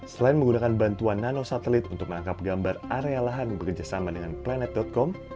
selain menggunakan bantuan nanosatelit untuk menangkap gambar area lahan bekerjasama dengan planet com